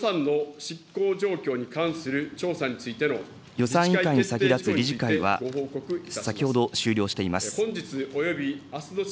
予算委員会に先立つ理事会は、先ほど終了しています。